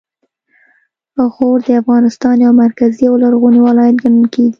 غور د افغانستان یو مرکزي او لرغونی ولایت ګڼل کیږي